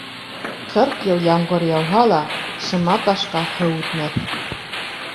Ҡырҡ йыл ямғыр яуһа ла, шыма ташка һыу үтмәҫ.